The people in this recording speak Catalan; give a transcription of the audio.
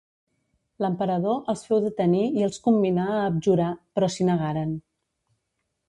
L'emperador els féu detenir i els comminà a abjurar, però s'hi negaren.